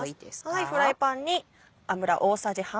はいフライパンに。